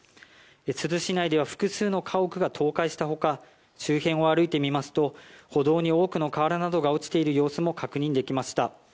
珠洲市内では複数の家屋が倒壊した他周辺を歩いてみますと歩道に多くの瓦などが落ちている様子も確認できました。